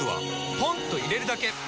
ポンと入れるだけ！